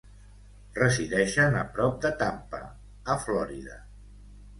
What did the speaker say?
Resideixen a prop de Tampa, a Florida.